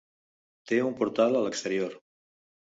Té un portal a l'exterior.